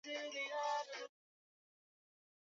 Meru Ndogo elfu tatu mia nane ishirini